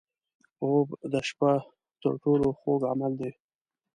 خوب د شپه تر ټولو خوږ عمل دی